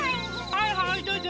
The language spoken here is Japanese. はいはいどうぞ。